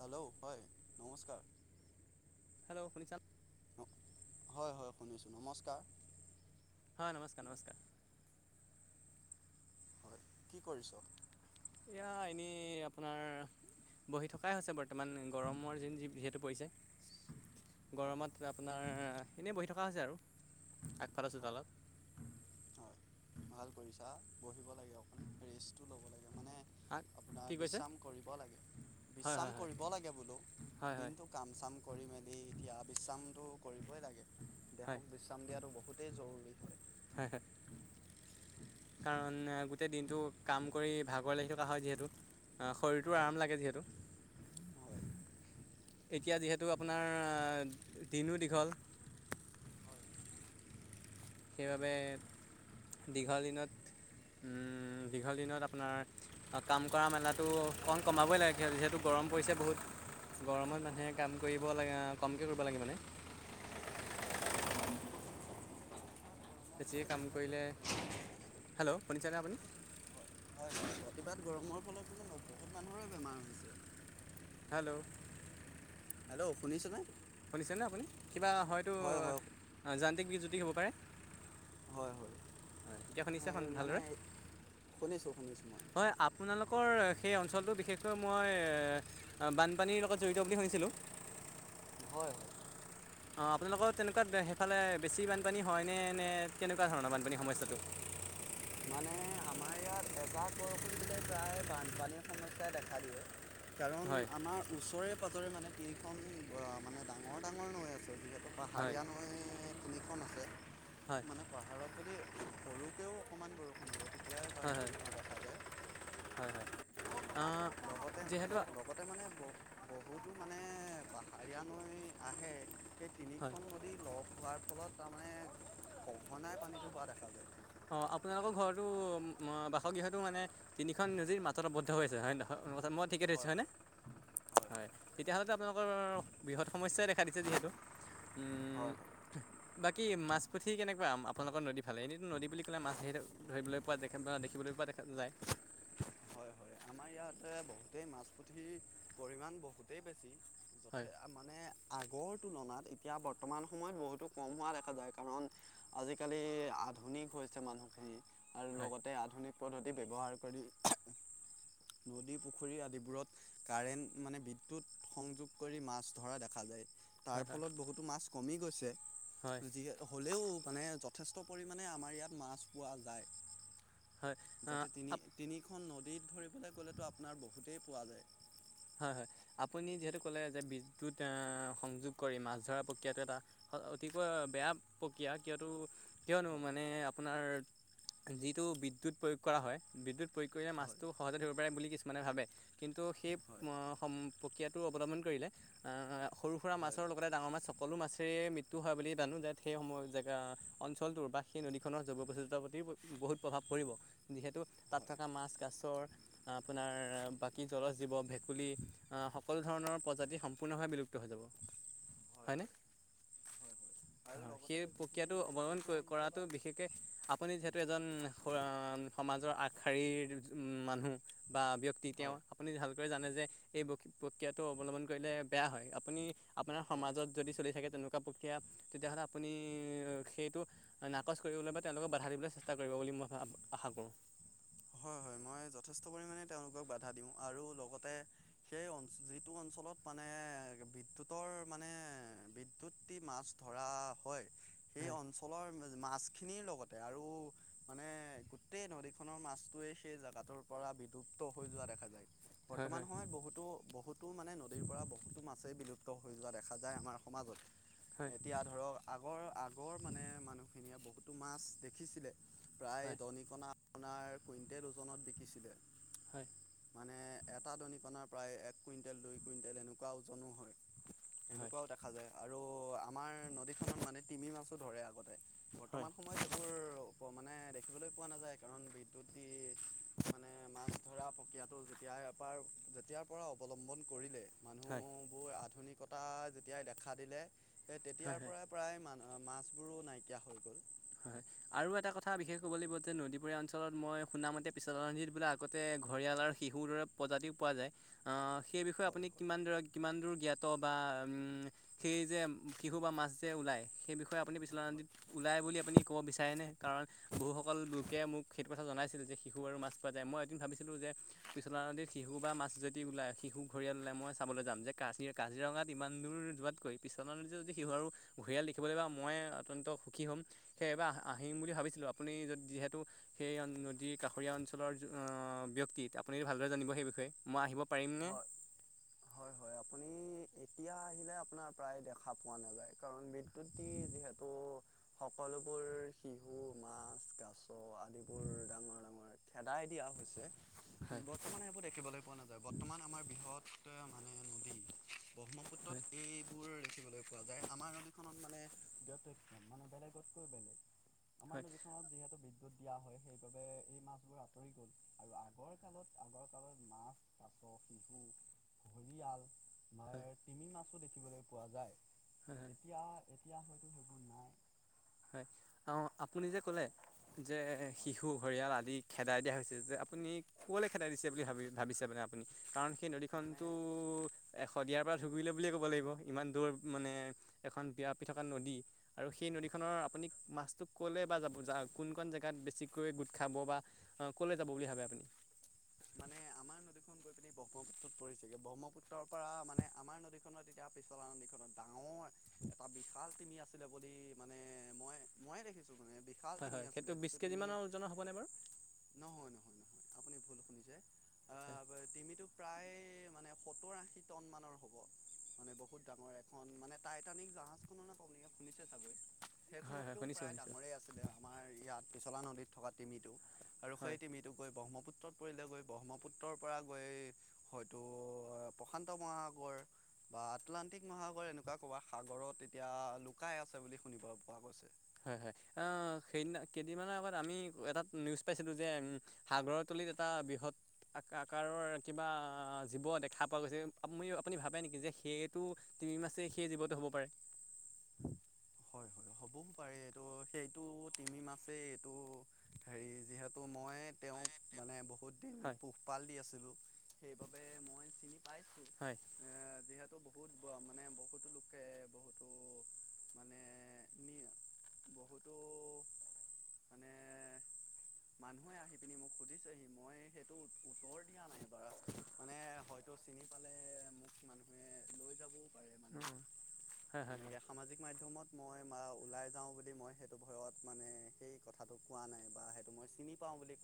Hello হয় নমস্কাৰ। শুনিছা? হয় হয় শুনিছোঁ নমস্কাৰ। হয় নমস্কাৰ নমস্কাৰ। হয় কি কৰিছ? এয়া এনেই আপোনাৰ বহি থকাই হৈছে বৰ্তমান গৰমৰ যিন যি যিহেতু পৰিছে। হয় গৰমত আপোনাৰ এনেই বহি থাক থকা হৈছে আৰু আগফাল আ হয় চোতালত। হয় ভাল কৰিছা বহিব লাগে অকন েষ্টটো ল'ব লাগে মানে আ আপোনাৰ বিশ্ৰাম কৰিব লাগে হয় হয় বিশ্ৰাম হয় কৰিব লাগে বোলো হয় হয় দিনটো কাম চাম কৰিম মেলি এতিয়া বিশ্ৰামতটো কৰিবই লাগে দেহক বিশ্ৰাম দিয়াটো বহুতেই জৰুৰী হয় হ হ কাৰণ গোটেই দিনটো কাম কৰি ভাগৰ লাগি থকা হয় যিহেতু শৰীৰটোৰ হয় আৰাম লাগে যিহেতু হয় এতিয়া যিহেতু আপোনাৰ দিনো দীঘল সেইবাবে দীঘল দিনত দীঘল দিনত আপোনাৰ কাম কৰা মেলাটো অণ কমাবই লাগে স যিহেতু গ গৰম পৰিছে বহুত গৰমত মানুহে কাম কৰিব লাগে কমকৈ কৰিব লাগে মানে [unintelligible] বেছিয়ে কাম কৰিলে হেল্ল' শুনিছেনে আপুনি হয় হয় অতিপাত গৰমৰ ফলত কি জানো বহুত মানুহৰে বেমাৰ হৈছে হেল্ল' হেল্ল' শুনিছ নে শুনিছেনে আপুনি কিবা হয়তো হয় যান্ত্ৰিক বিজ্যুতি হ'ব পাৰে হয় হয় হয় এতিয়াখন ইছেখন এই ভালদৰে মানে শুনিছোঁ শুনিছোঁ মই হয় আপোনালোকৰ সেই অঞ্চলটো বিশেষকৈ মই বানপানীৰ লগত জড়িত বুলি শুনিছিলোঁ হয় হয় অঁ আপোনালোকৰ তেনেকুৱা সেইফালে বেছি বানপানী হয়নে নে কেনেকুৱা ধৰণৰ বানপানী সমস্যাটো [unintelligible] মানে আমাৰ ইয়াত এজাক বৰষুণ দিলে প্ৰায় বানপানীৰ সমস্যাই দেখা দিয়ে কাৰণ হয় আমাৰ ওচৰে পাজৰে মানে টিলখন মানে ডাঙৰ ডাঙৰ নৈ আছে গতিে হয় পাহাৰীয়া নৈ তিনিখন আছে হয় মানে পাহাৰত যদি সৰুকৈও অণমান বৰষুণ হ হয় হয় হয় হয় যিহেতু লগতে লগতে মানে ব বহুতো মানে বাহাৰীয়া নৈ আহে সেই হয় তিনিখন নদী লগ হোৱাৰ ফলত তাৰমানে সঘনাই পানীটো হোৱা দেখা যায় অঁ আপোনালোকৰ ঘৰটো বাসগৃহটো মানে তিনিখন নজীৰ মাতত আৱদ্ধ হৈ আছে হয় নহয় মই ঠিকে ধৰিছোঁ হয় হয়নে হয় হয় তেতিয়াহ'লেতো আপোনালোকৰ বৃহৎ সমস্যাই দেখা দিছে যিহেতু উ হয় হয় বাকী মাছ পুঠি কেনেকুৱা আপোনালোকৰ নদী ফালে এনেো নদী বুলি ক'লে মাছ ধৰি ধৰিবলৈ প দেখিবলৈ পোৱা দেখা যায় হয় হয় আমাৰ ইয়াতে বহুতেই মাছ পুঠিৰ পৰিমাণ বহুতেই বেছি হয় ে মানে আগৰ াত এতিয়া বৰ্তমান সময়ত বহুতো কম হোৱা দেখা যায় কাৰণ আজিকালি আধুনিক মানুহখিনি আৰু হয় লগতে আধুনিক পদ্ধতি ব্য্ৱহাৰ কৰি নদী পুখুৰী আদিবোৰত কাৰেণ্ট মানে বিদ্যুৎ সংযোগ কৰি মাছ ধৰা দেখা যায় তাৰ হয় ফলত বহুতো মাছ কমি গৈছে হয় গতিক হ'লেও মানে যথেষ্ট পৰিমাণে আমাৰ ইয়াত মাছ পোৱা যায় হয় যাতে হয় তিনি আপ তিনিখন নদীত ধৰিবলৈ গ'লেতো আপোনাৰ বহুতেই পোৱা যায় হয় হয় আপুনি যিহেতু কলে যে বিদ্্যুত আহ সংযোগ কৰি মাছ ধৰা প্ৰক্ৰিয়াটো এটা অতিকৈ বেয়া প্ৰক্ৰিয়া কিয়তো কিয়নো হয় মানে আপোনাৰ যিটো বিদ্য়ুত প্ৰয়োগ কৰা হয় বিদ্য়ুত প্ৰয়োগ কৰিলে হয় মাছতটো সহজতে ধৰিব পাৰে বুলি কিছুমানে ভাবে কিন্তু তো সেই হয় সম প্ৰক্ৰিয়াটো অৱলম্বন কৰিলে সৰু সুৰা হয় মাছৰ লগতে ডাঙৰ মাছ সকলো মাছেৰে মৃত্্যু হয় বুলি জানো যে সেই সময় জেগা অঞ্চলটোৰ বা সেই নদীখনৰ জৈৱসুতাৰ প্ৰতি বহুত প্ৰভাৱ পৰিব যিহেতু হয় তাত হয় থকা মাছ গছৰ আপোনাৰ বাকী জল জীৱ ভে বুলি সকলো ধৰণৰ প্ৰজাতি সম্পূৰ্ণভাৱে বিলুপ্ত হৈ যাব হয় হয়নে। হয় হয় [unintelligible] আৰু হয় সেই লগতে যিখিনি প্ৰক্ৰিয়াটো মানে অৱলম্বন যিটো কৰাটো অঞ্চলত বিশেষকে আপুনি যিহেতু এজন। সমাজৰ আগশাৰীৰ উ মানুহ বা ব্যক্তি। তেওঁ হয় আপুনি ভালকৈ জানে। যে এই প্ৰক্ৰিয়াটো অৱলম্বন কৰিলে বেয়া হয়। আপুনি আপোনাৰ হয় সমাজত যদি চলি থাকে তেনেকুৱা প্ৰক্ৰিয়া। তেতিয়াহ'লে আপুনি সেইটো নাকচ কৰিবলৈ বা তেওঁলোকক বাধা দিবলৈ চেষ্টা কৰিব বুলি মই ভাবো। আশা কৰোঁ। হয়, হয় মই যথেষ্ট পৰিণে তেওঁলোকক বাধা দিওঁ। আৰু লগতে সেই যিটো অঞ্চল। চলত মানে বিদ্যুতৰ মানে বিদ্যুত দি মাছ ধৰা হয়। সেই হয় অঞ্চলৰ মাছ খিনিৰ লগতে আৰু মানে গোটেই নদীখনৰ মাছ। য়ে সেই জেগাটোৰ পৰা বিলুপ্ত হৈ যোৱা দেখা যায়। হয় হয় বৰ্তমান সময়ত বহুতো বহুতো মানে নদীৰ পৰা বহুতো মাছেই বিলুপ্ত। হৈ যোৱা দেখা যায় আমাৰ সমাজত। হয় এতিয়া ধৰক আগৰ আগৰ মানে মানুহখিনিয়ে বহুতো মাছ দেখিছিলে। প্ৰায় হয় দহিকণা আপোনাৰ কুইণ্টেল ওজনত বিকিছিলে। হয়। মানে এটা দনি পনাৰ প্ৰায় এক কুইণ্টেল দুই কুইণ্টেল এনেকুৱা ওজনো হয়। হয় হয় সেনেকুৱাও দেখা যায় আৰু আমাৰ নদীখনত মানে তিমি মাছো ধৰে আগতে। হয় বৰ্তমান সময়ত এইবোৰ মানে দেখিবলৈ পোৱা নাযায়। কাৰণ বি [unintelligible] মানে মাছ। ধৰা প্ৰক্ৰিয়াটো যেতিয়া এপাৰ যেতিয়াৰ পৰা অৱলম্বন কৰিলে। মানুহ হয় বোৰ আধুনিকতা যেতিয়াই দেখা দিলে। সেই হয় তেতিয়াৰ হয় পৰাই প্ৰায় মানুহ মাছবোৰো নাইকিয়া হৈ গ'ল। হয় আৰু এটা কথা বিশেষ ক'ব লাগিব। যে নদীপৰীয়া অঞ্চলত মই শুনামতে পিছল ৰান্ধি বোলে আগতে। ঘৰিয়াল আৰু শিশুৰ দৰে প্ৰজাতিও পোৱা যায় আহ সেই বিষয়ে হয় আপুনি হয়। কিমান দৰে কিমান দূৰ জ্ঞাত বা। স যে শিশু বা মাছ যে ওলাই সেই বিষয়ে আপুনি ওলাই বুলি। আপুনি ক'ব বিচাৰে নে কাৰণ বহু সকল লোকে মোক সেইটো কথা জনাইছিল, যে শিশু আৰু মাছ পোৱা যায় মই এদিন ভাবিছিলো। যে পিছলা নদত শিশু বা মাছ যদি ওলাই শিশু ঘৰিয়াল ওলাই মই চাবলৈ যাম যে ক কাজিৰঙাত। ইমান দূৰ যোৱাতকৈ পিছনা যদি সিহু আৰু ঘূৰিয়াল দেখিবলৈ বা মই অত্যন্ত সুখী হ'ম। সেইয়বাৰ আহিম বুলি ভাবিছিলোঁ আপুনি য যিহেতু সেই নদীৰ কাষৰীয়া অঞ্চলৰ। ব্যক্তিত আপুনি ভালদৰে জানিব সেই বিষয়ে। মই আহিব পাৰিমনে। হয় হয়? হয় আপুনি। এতিয়া আহিলে আপোনাৰ প্ৰায় দেখা পোৱা নাযায়। কাৰণ বিদ্যুত দি যিহেতু স সকলোবোৰ শিহু, মাছ, কাছ আদিবোৰ ডাঙৰ ডাঙৰ খেদাই দিয়া হৈছে। হয় বৰ্তমান এইবোৰ দেখিবলৈ পোৱা নাযায় বৰ্তমান আমাৰ বিহত। ব্ৰহ্মপুত্ৰত হয় এইবোৰ। যায় আমাৰ অখনত মানে ব্য মানে বেলেগতকৈ বেলেগ আমাৰ হয় নদীখনত যিহেতু বিদ্যুৎ দিয়া হয়। সেইবাবে এই মাছবোৰ আঁতৰি গ'ল আৰু আগৰ কালত আগৰ কালত মাছ কাছ। [unintelligible] ভজি আল। হয়। দেখিবলৈ পোৱা যায়। হয় হয় এতিয়া এতিয়া হয়তো সেইবোৰ নাই। হয় অ আপুনি যে ক'লে। যে হয় শিশু হৰিয়াল আদি খেদাই দিয়া হৈছে। যে আপুনি কলৈ খেদাই দিছে বুলি ভাবি ভাবিছে মানে। আপুনি কাৰণ সেই মানে নদীখননতো হয় এ শদিয়াৰ পৰা ধুবুৰীলৈ বুলিয়ে ক'ব লাগিব ইমান দূৰ মানে। এখন বিয়া পৃথকা নদী আৰু সেই ন। নৰ আপুনি মাছো ক'লে বা যাব কোন ক জেগাত বেছিকৈ গোট খাব বা ক'লে যাব। বুলি ভাবে আপুনি। মানে আমাৰ নদীখন ব্ৰহ্মপুত্ৰত পৰিছেগে ব্ৰহ্মপুত্ৰৰ পৰা মানে আমাৰ নদীখনত এতিয়া পিছলা নদীখনত ডাঙৰ এটা বিশাল মি আছিলে বুলি মানে মই মইে দেখিছো মানে বিশাল হয় মি হয় সেইটো আছিলে বিছ যিটো তমি কেজিমানৰ ওজনৰ হ'বনে বাৰু নহয় নহয় নহয় আপুনি ভুল শুনি যায় হয় টমিতটো প্ৰায় মানে সত্তৰ আশী টন মানৰ হব মানে বহুত ডাঙৰ এখন মান মানে টাইটানিক জাহাজখনো ন পানে শুনিছে চাগৈত হয় হয় সেইখনতো শুনিছোঁ প্ৰায় শুনিছোঁ ডাঙৰেই আছিলে আমাৰ ইয়াত পিছলা নদীত থকা তিমিটো আৰু সেই হয় তিমিতো গৈ ব্ৰহ্মপুত্ৰত পৰিলে গৈ ব্ৰহ্মপুত্ৰৰ পৰা গৈ হয়তো প্ৰশান্ত মহাসাগৰ বা আটলানটিক মহাসাগৰ এনে কবাত সাগৰত এতিয়া লুকাই আছে বুলি শুনিব পোৱা গৈছে হয় হয় অ সেইদিনা কেইদিনমানৰ আগত আমি এটা নিউজ পাইছিলো যে সাগৰ এটা বৃহৎ আকাৰৰ কিবা জীৱ দেখা পোৱা গৈছে আপুনি আপুনি ভাবে নেকি যে সেইটো তিমি মাছেই সেই জীৱটো হব পাৰে প এইটো সেইটো তিমি মাছেই এইটো হেৰি যিহেতু মই তেওঁক মানে বহু বহুত দিন হয় পোহপাল দি আছিলো সেইবাবে মই চিন হয় তো বহুত মানে বহুতো লোকে বহুতো মানে বহুতো মানে মানুহে আহি পিনি মোক সুজিছেহি মই সেইটো উত্তৰ দিয়া নাই বু মানে হয়তোিন পালে মোক মানুহে লৈ যাব অ' হয় হয় হয় তেনেকে সামাজিক মাধ্যমত মই ওলাই যাওঁ বুলি মই সেইটো ভয়ত মানে সেই কথাটো কোৱা নাই বা সেইটো মই চিনি পাওঁ বুলি ক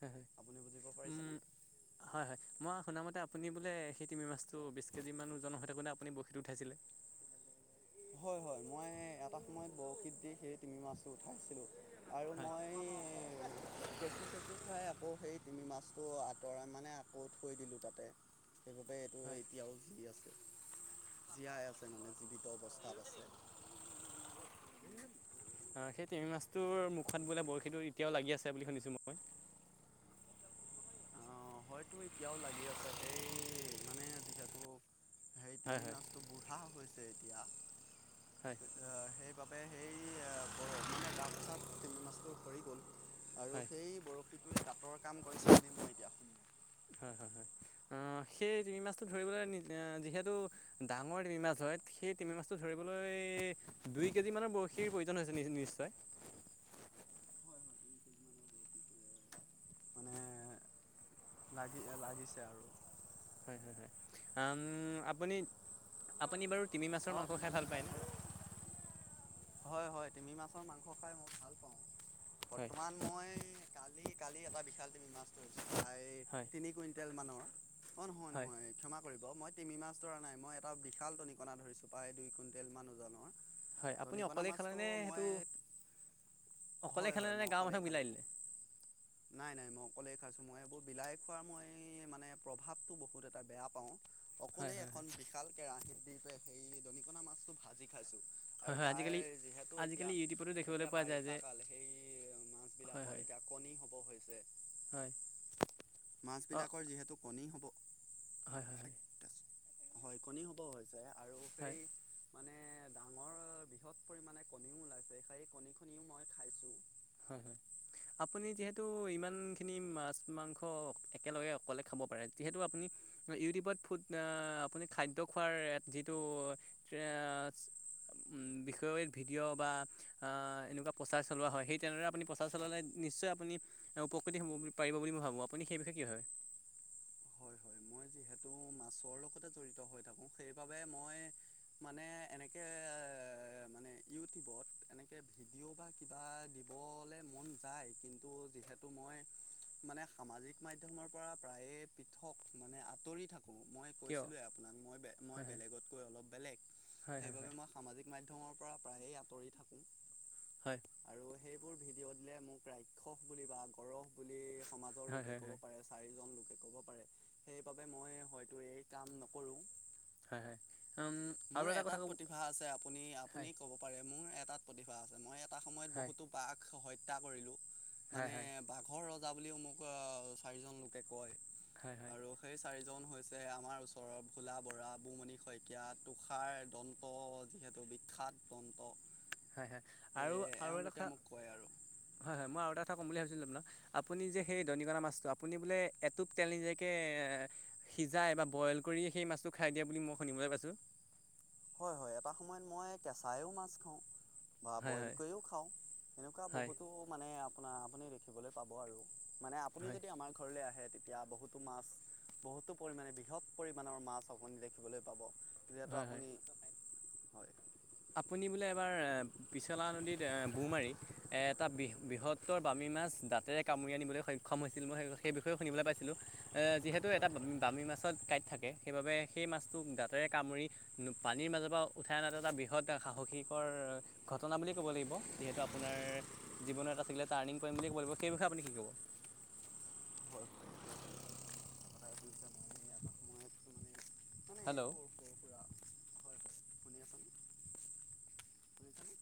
হ পাৰিছেনে? উম হয় হয় মই শুনামতে আপুনি বোলে সেই তিমি মাছটো বিশ কেজি মান ওজনৰ হৈ থাকোতে আপুনি বৰশি উঠাইছিলে উ হয় হয় মই এটা সময়ত বৰশীত দি সেই তিমি মাছটো উঠাইছিলো আৰু হয় মই খপি চেপি খাই আকৌ সেই তিমি মাছটো আঁতৰাই মানে আকৌ থৈ দিলোঁ তাতে সেইবাবে এইটো হয় এতিয়াও জি আছে জীয়াই আছে মানে জীৱিত অৱস্থা তাত আছে আহ সেই তিমি মাছটোৰ মুখত বোলে বৰশীটো এতিয়াও লাগি আছে বুলি শুনিছো মই অঁ হয়তো এতিয়াও লাগি আছে সেই মানে যিহেতু সেই হয় তিমি হয় মাছটো বুঢ়া হৈছে এতিয়া হয় সেইবাবে সেই মানে গা এছাত মাছটো সৰি গ'ল আৰু হয় সেই বৰশীটো দাঁতৰ কাম কৰিছে বুলি মই এতিয়া শুনো হয় হয় হয় অ সেই তিমি মাছটো ধৰিবলৈ যিহেতু ডাঙৰ তিমি মাছ হয় সেই টিমি মাছটো ধৰিবলৈ দুই কেজি মানৰ বৰশীৰ প্ৰয়োজন হৈছে নিশ্চয় মানে লাগি লাগিছে আৰু উম আপুনি আপুনি বাৰু তিমি মাছৰ অঁ মাংস খাই ভাল পায়নে হয় হয় তিমি মাছৰ মাংস খাই মই ভাল পাওঁ হয় বৰ্তমান মই কালি কালি এটা বিশাল তুমি মাছ ধৰিছা প্ৰায় হয় তিনি কুইন্টেল মানৰ অ নহয় হয় নহয় ক্ষমা কৰিব মই তিমি মাছ ধৰা নাই মই এটা বিশাল দনিকনা ধৰিছো প্ৰায় দুই কুইণ্টেল মান ওজনৰ হয় আপুনি দনিকণা অকলেই খালে মাছটো নে মই সেইটো অকলে হয় হয় খালেনে মই নে গাঁৱৰ অকলেই মানুহক খালো বিলাই ম দিলে নাই নাই মোক অকলে খাইছোঁ মই এইবোৰ বিলাই খোৱাৰ মই মানে প্ৰভাৱটো বহুত এটা বেয়া পাওঁ হয় অকলেই হয় এখন হয় বিশাল কেৰাহিত দি প সেই দৰিিকনাা মাছটো ভাজি খাইছো হয় হয় তাই আজিকালি যিহেতু এতিয়া আজিকালি ইউটিউবতো দেখিবলৈ এতিয়া পোৱা যায় যে বাৰিষা কাল সেই হয় মাছবিলাকৰ হয় এতিয়া কণী হব হৈছে হয় অঁ মাছবিলাকৰ যিহেতু কণী হ'ব হয় হয় হয় হয় কণী হ'ব হয় হয় ডাঙৰ বৃহৎ পৰিণে কণীও ওলাইছে সেই কণীখনিও মই খাইছো হ হ আপুনি যিহেতু ইমান খিনি মাছ মাংস একেলগে অকলে খাব পাৰে যিহেতু আপুনি ইউটিউবত ফু আপুনি খাদ্য খোৱাৰ যিটো উম বিষয় ভিডিঅ' বা এনেকুৱা প্ৰচাৰ চলোৱা হয় সেই তেনেদৰে আপুনি প্ৰচাৰ চলালে নিশ্চয় আপুনি উপকৃত হ'ব পিব বুলি মই ভাবো আপুনি সেই বিষয়ে কি হয় হয় হয় মই যিহেতু মাছৰ লগতে জড়িত হৈ থাকোঁ সেইবাবে মই মানে এনেকৈ এ মানে ইউটিউবত এনেকৈ ভিডিঅ' বা কিবা দিবলৈ মন যায় কিন্তু যিহেতু মই মানে সামাজিক মাধ্্যমৰ পৰা প্ৰায়ে পৃথক মানে আঁতৰি থাকো মই কিয় কৈছিলোে আপোনাক মই হয় বেলেগতকৈ অল বেলেগ হয় হয় সেইব হয় মই সামাজিক মাধ্য়মৰ পৰা আঁত থাকো হয় োৰ ভিডিঅ' দিলে মোক ৰাক্ষস বুলি বা গৰহ বুলি সমাজৰ হয় লোকে হয় ক'ব হয় পাৰে চাৰিজন লোক কব পাৰে সেইবাবে মই হয়তো এই কাম নকৰো হয় হয় হয় উম, মোৰ আৰু এটা কথা এটাত প্ৰতিভা আছে আপুনি আপুনি হয় কব পাৰে মোৰ এটা প্ৰতিভা আছে মই এটা সময়ত হয় বহুতো বাঘ হত্যা কৰিলো হয় মানে হয় বাঘৰ ৰ া বুলিও মোক অ চাৰিজন লোকে কয় হয় হয় হয় আৰু সেই চাৰিজন হৈছে আমাৰ ওচৰৰ ভোলা বৰা বুমণি শইকীয়া তুষাৰ দন যিহেতু বিখ্যাত দন্ত হয় হয় এ আৰু আৰু এটা এওঁলোকে কথা মোক কয় আৰু হয় হয় মই আৰু এটা কথা ক'ম বুলি ভাবিছিলো ত ন আপুনি যে সেই দৰিিকনাা মাছটো আপুনি বোলে এটোপ তেল নিজাকে এ সিজাই বা ব বইল কৰি সেই মাছটো খাই দিয়া বুলি মই শুনিবলৈ পাইছোঁ হয় হয় এটা সময়ত মই কেঁচাইও মাছ খাওঁ বা হয় বইল হয় কৰিও খাওঁ সেনেকুৱা হয় বহুতো মানে আপোনাৰ আপুনি দেখিবলৈ পাব আৰু মানে আপুনি হয় যদি আমাৰ ঘৰলে আহে তেতিয়া বহুতো মাছ বহুতো পৰিমণে বৃহৎ পৰিমণৰ মাছ অকনি দেখিবলৈ পাব যহেতটো হয় হয় আপুনি হয় আপুনি বোলে এবাৰ এ পিছলা নদীত এ বৌ মাৰি এ এটা বৃহত্তৰ বামী মাছ দাঁতেৰে কামুৰি আনিবলৈ সক্ষম হৈছিল মই সেই বিষয়েও শুনলৈ পাইছিলো এ যিহেতু এটা হয় হয় বামী মাছত কাঁাইত থাকে সেইবাবে সেই মাছটো দাঁতেৰে কামুৰি পানীৰ মাজৰ পৰা উঠাই অনাটো এটা বি সাহসীকৰ ঘটনা বুলি ক'ব লাগিব যিহেতু আপোনাৰ জীৱনত আছিলে টাৰ্ণ পই িব সেই বিষয়ে আপুনি শ কব মইময় হেল্ল' সুৰা হয় পনিয় পানীী